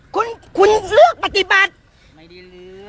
คุณคุณเลือกปฏิบัติไม่ได้เลือก